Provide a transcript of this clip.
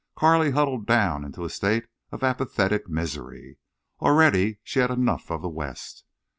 Carley huddled down into a state of apathetic misery. Already she had enough of the West.